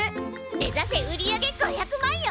目指せ売り上げ５００万よ！